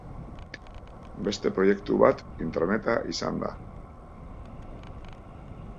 Beste proiektu bat intraneta izan da.